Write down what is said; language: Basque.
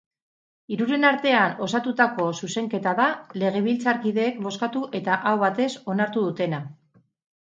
Hiruren artean osatutako zuzenketa da legebiltzarkideek bozkatu eta aho batez onartu dutena.